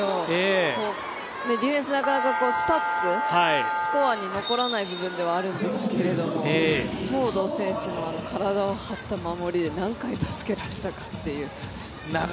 ディフェンスなかなかスタッツスコアに残らない部分でもあるんですけど東藤選手の体を張った守りで何回助けられたか。